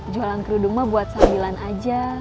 jualan kerudungan buat sambilan aja